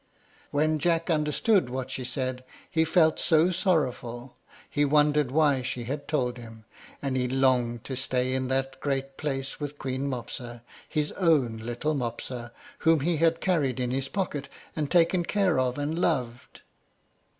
When Jack understood what she said he felt so sorrowful; he wondered why she had told him, and he longed to stay in that great place with Queen Mopsa, his own little Mopsa, whom he had carried in his pocket, and taken care of, and loved.